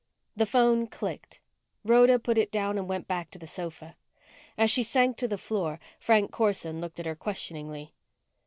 The phone clicked. Rhoda put it down and went back to the sofa. As she sank to the floor, Frank Corson looked at her questioningly.